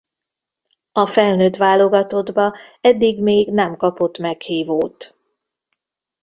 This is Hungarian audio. A felnőtt válogatottba eddig még nem kapott meghívót.